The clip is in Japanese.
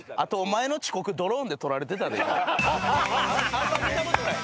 あんま見たことない。